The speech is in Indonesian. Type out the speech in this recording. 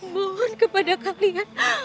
mohon kepada kalian